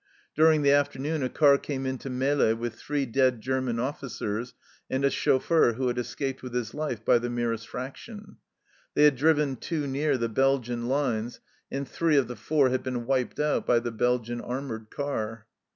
During the after noon a car came in to Melle with three dead German officers and a chauffeur who had escaped with his life by the merest fraction. They had driven too near the Belgian lines, and three of the four had been wiped out by the Belgian armoured car.